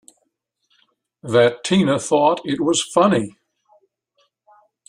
That Tina thought it was funny!